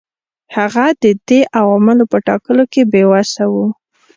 هغه د دې عواملو په ټاکلو کې بې وسه و.